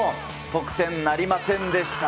得点なりませんでした。